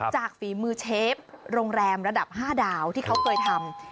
ฝีมือเชฟโรงแรมระดับ๕ดาวที่เขาเคยทำ